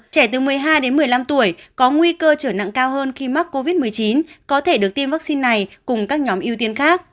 trẻ từ một mươi hai đến một mươi năm tuổi có nguy cơ trở nặng cao hơn khi mắc covid một mươi chín có thể được tiêm vaccine này cùng các nhóm ưu tiên khác